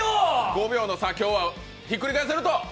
５秒の差、今日はひっくり返せると？